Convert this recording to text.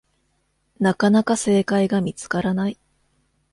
なかなか正解が見つからない